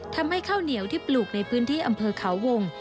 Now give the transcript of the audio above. ข้าวเหนียวที่ปลูกในพื้นที่อำเภอเขาวง